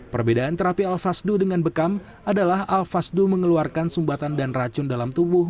perbedaan terapi al fasdu dengan bekam adalah al fasdu mengeluarkan sumbatan dan racun dalam tubuh